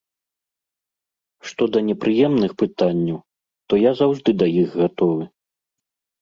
Што да непрыемных пытанняў, то я заўжды да іх гатовы.